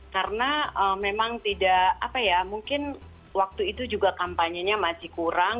karena memang tidak apa ya mungkin waktu itu juga kampanyenya masih kurang